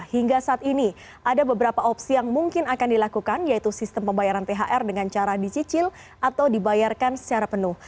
hingga saat ini ada beberapa opsi yang mungkin akan dilakukan yaitu sistem pembayaran thr dengan cara dicicil atau dibayarkan secara penuh